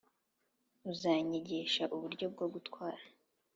uzanyigisha uburyo bwo gutwara?